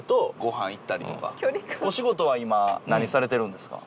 お仕事は今何されてるんですか？